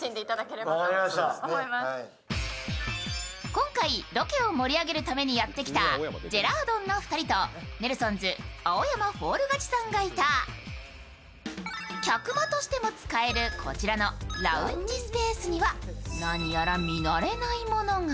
今回ロケを盛り上げるためやってきたジェラードンの二人とネルソンズ、青山フォール勝ちさんがいた客間としても使えるこちらのラウンジスペースには何やら見慣れないものが